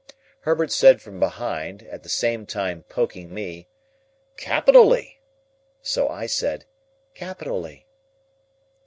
Herbert said from behind (at the same time poking me), "Capitally." So I said "Capitally."